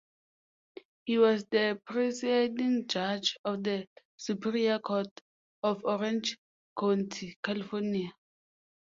He was the presiding judge of the Superior Court of Orange County, California.